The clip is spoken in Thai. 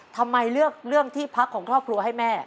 ทำไมเลือกเรื่องที่พักของครอบครัวให้แม่